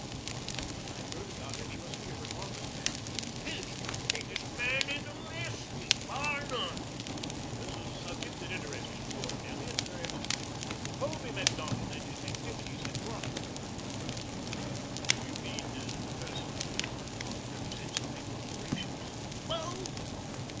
"From what I've heard about him he must be a remarkable man." "He's the biggest man in Alaska, bar none." This was a subject that interested Gordon Elliot very much. Colby Macdonald and his activities had brought him to the country. "Do you mean personally or because he represents the big corporations?" "Both.